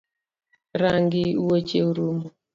Rangi wuoche orumo